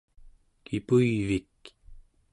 kipuyvik